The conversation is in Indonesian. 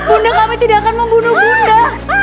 undang kami tidak akan membunuh bunda